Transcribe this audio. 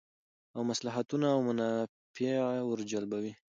او مصلحتونه او منافع ور جلبوی